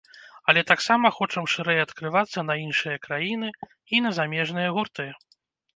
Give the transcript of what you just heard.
Але таксама хочам шырэй адкрывацца на іншыя краіны і на замежныя гурты.